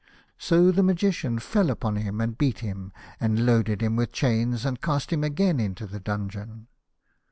So the Magician fell upon him, and beat him, and loaded him with chains, and cast him again into the dungeon.